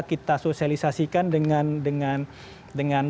kita sosialisasikan dengan